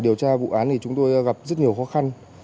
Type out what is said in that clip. điều tra vụ án thì chúng tôi gặp rất nhiều khó khăn